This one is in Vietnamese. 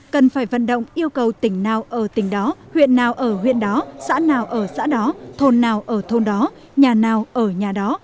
cần phải vận động yêu cầu tỉnh nào ở tỉnh đó huyện nào ở huyện đó xã nào ở xã đó thôn nào ở thôn đó nhà nào ở nhà đó